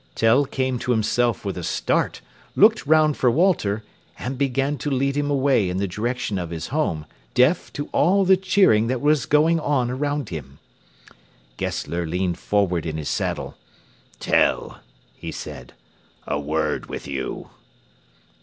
Tell came to himself with a start, looked round for Walter, and began to lead him away in the direction of his home, deaf to all the cheering that was going on around him. Gessler leaned forward in his saddle. "Tell," he said, "a word with you."